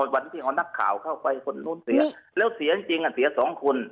วันที่เอานักข่าวเข้าไปคนนู้นเสียแล้วเสียจริงเสียสองคน